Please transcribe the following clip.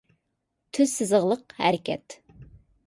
تۈز سىزىقلىق ھەرىكەت